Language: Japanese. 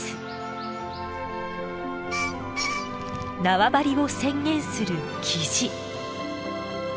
縄張りを宣言するキジ。